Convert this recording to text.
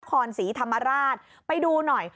นครศรีธรรมราชไปดูหน่อย